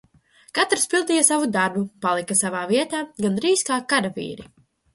Katrs pildīja savu darbu, palika savā vietā, gandrīz kā karavīri.